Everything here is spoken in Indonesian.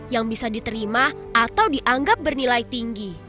yang bisa diterima atau dianggap bernilai tinggi